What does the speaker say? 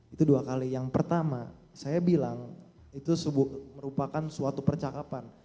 itu dua kali yang pertama saya bilang itu merupakan suatu percakapan